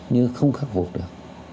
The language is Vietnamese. nhưng không khắc phục được